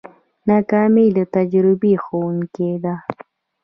ناکامي د تجربې ښوونکې ده.